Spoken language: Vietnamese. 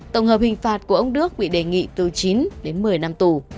tổng hợp hình phạt của ông đức bị đề nghị từ chín một mươi năm